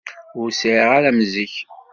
Ur sεiɣ ara am zik.